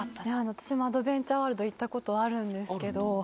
私もアドベンチャーワールド行ったことあるんですけど。